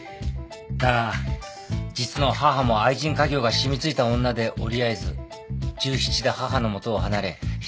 だが実の母も愛人稼業が染みついた女で折り合えず１７で母の元を離れ一人で生きてきた。